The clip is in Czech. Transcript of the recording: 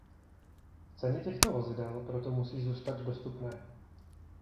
Ceny těchto vozidel proto musí zůstat dostupné.